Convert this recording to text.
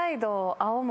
青森